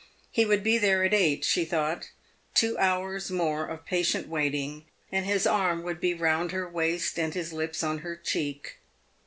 He would be there at eight, she thought. Two hours more of patient waiting, and his arm would be round her waist, and his lips on her cheek.